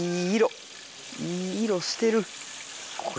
いい色してる。